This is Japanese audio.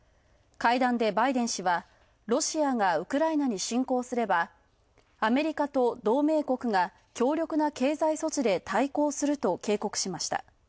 会談でバイデン氏は、ロシアがウクライナに侵攻すれば、アメリカと同盟国が強力な経済措置で対抗すると警告しました。